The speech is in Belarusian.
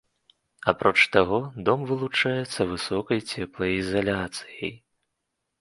Апроч таго, дом вылучаецца высокай цеплаізаляцыяй.